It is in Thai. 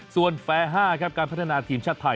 ส่วนแฟร์๕ครับการพัฒนาทีมชาติไทย